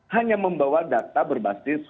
hanya membawa data berbasis